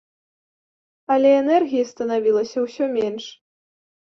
Але энергіі станавілася ўсё менш.